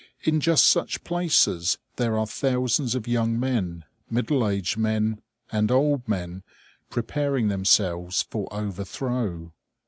In just such places there are thousands of young men, middle aged men, and old men, preparing themselves for overthrow.